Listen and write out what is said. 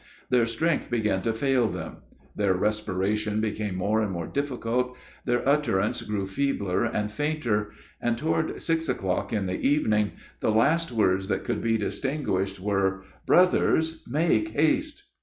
Their strength began to fail them; their respiration became more and more difficult; their utterance grew feebler and fainter; and toward six o'clock in the evening, the last words that could be distinguished, were "Brothers make haste!"